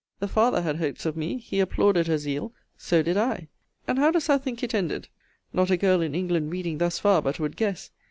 The father had hopes of me: he applauded her zeal: so did I. And how dost thou think it ended? Not a girl in England, reading thus far, but would guess!